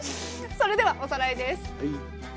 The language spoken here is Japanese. それではおさらいです。